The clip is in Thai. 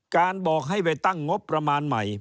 บอกให้ไปตั้งงบประมาณใหม่